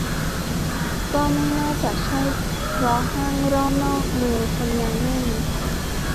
ก็ไม่น่าจะใช่เพราะห้างรอบนอกเมืองคนยังแน่น